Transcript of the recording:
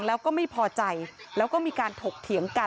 แล้วก็ไม่พอใจแล้วก็มีการถกเถียงกัน